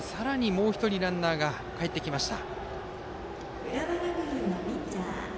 もう１人のランナーがかえってきました。